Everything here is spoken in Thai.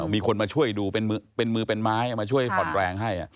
มีคนมาช่วยดูเป็นมือเป็นไม้เอามาช่วยผ่อนแรงให้